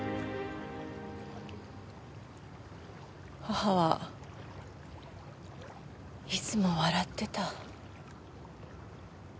母はいつも笑ってた。